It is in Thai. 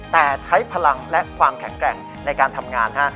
แต่ใช้พลังและความแข็งแกร่งในการทำงาน